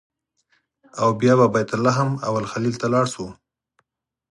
او بیا به بیت لحم او الخلیل ته لاړ شو.